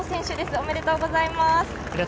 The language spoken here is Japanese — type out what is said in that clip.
おめでとうございます。